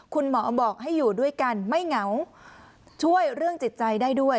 คุณหมอบอกให้อยู่ด้วยกันไม่เหงาช่วยเรื่องจิตใจได้ด้วย